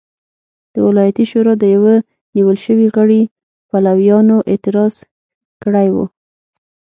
د ولایتي شورا د یوه نیول شوي غړي پلویانو اعتراض کړی و.